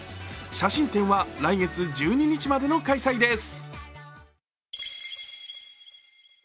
写真展は来月１２日までの開催です。